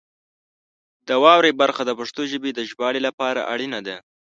د واورئ برخه د پښتو ژبې د ژباړې لپاره اړینه ده.